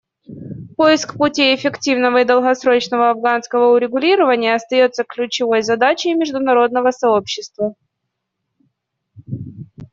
Поиск путей эффективного и долгосрочного афганского урегулирования остается ключевой задачей международного сообщества.